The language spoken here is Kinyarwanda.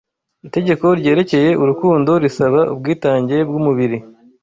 Itegeko ryerekeye urukundo risaba ubwitange bw’umubiri